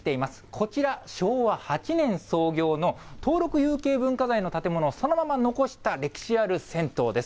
こちら、昭和８年創業の登録有形文化財の建物をそのまま残した歴史ある銭湯です。